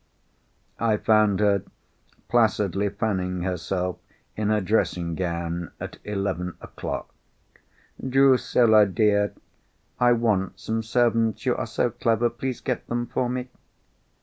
I found her placidly fanning herself in her dressing gown at eleven o'clock. "Drusilla, dear, I want some servants. You are so clever—please get them for me."